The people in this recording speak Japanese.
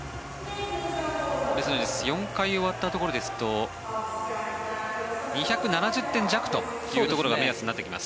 ４回終わったところですと２７０点弱というところが目安になってきます。